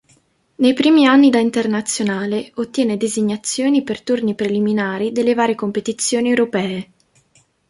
Nei primi anni da internazionale, ottiene designazioni per turni preliminari delle varie competizioni europee.